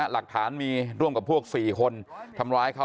หลักฐานมีร่วมกับพวก๔คนทำร้ายเขา